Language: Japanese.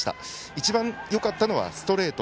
一番よかったのはストレート